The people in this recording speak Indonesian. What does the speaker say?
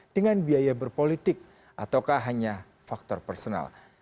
dengan biaya berpolitik ataukah hanya faktor personal